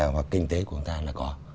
hoặc kinh tế của người ta là có